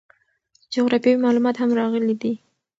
جغرافیوي معلومات هم راغلي دي.